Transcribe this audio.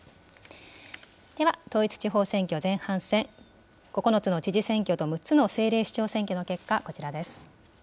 では、統一地方選挙前半戦、９つの知事選挙と６つの政令市長選挙の結果、こちらです。